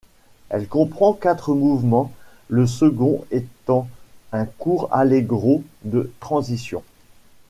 Elle comprend quatre mouvements, le second étant un court allegro de transition.